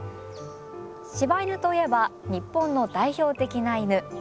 柴犬といえば日本の代表的な犬。